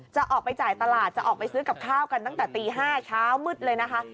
จะออกไปจ่ายตลาดจะออกไปซื้อกับข้าวกันตั้งแต่ตี๕เช้ามืดเลยนะคะ